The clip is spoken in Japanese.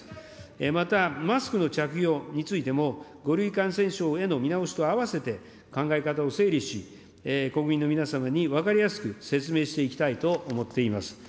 また、マスクの着用についても、５類感染症への見直しと併せて、考え方を整理し、国民の皆様に分かりやすく説明していきたいと思っています。